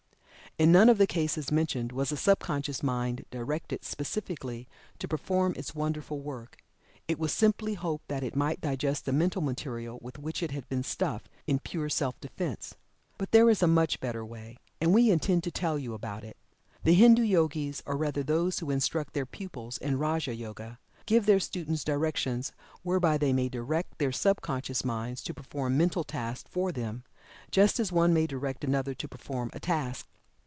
In none of the cases mentioned was the subconscious mind directed specially to perform its wonderful work. It was simply hoped that it might digest the mental material with which it had been stuffed in pure self defense. But there is a much better way, and we intend to tell you about it. The Hindu Yogis, or rather those who instruct their pupils in "Raja Yoga," give their students directions whereby they may direct their sub conscious minds to perform mental tasks for them, just as one may direct another to perform a task.